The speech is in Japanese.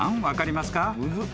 分かりますか？